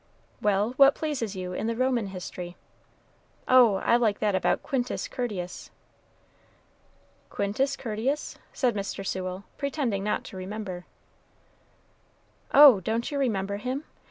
"Well, what pleases you in the Roman history?" "Oh, I like that about Quintus Curtius." "Quintus Curtius?" said Mr. Sewell, pretending not to remember. "Oh, don't you remember him?